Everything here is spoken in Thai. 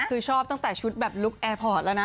คือชอบตั้งแต่ชุดแบบลุคแอร์พอร์ตแล้วนะ